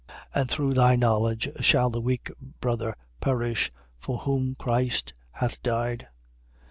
8:11. And through thy knowledge shall the weak brother perish, for whom Christ hath died?